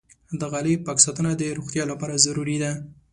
د غالۍ پاک ساتنه د روغتیا لپاره ضروري ده.